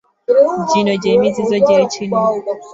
Gino gy’emizizo gy’ekinu.